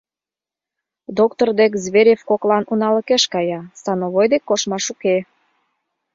Доктор дек Зверев коклан уналыкеш кая, становой дек коштмаш уке...